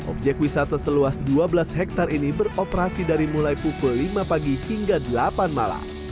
objek wisata seluas dua belas hektare ini beroperasi dari mulai pukul lima pagi hingga delapan malam